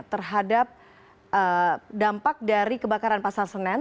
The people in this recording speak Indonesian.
terhadap dampak dari kebakaran pasar senen